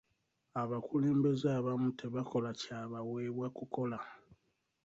Abakulembeze abamu tebakola kyabaweebwa kukola.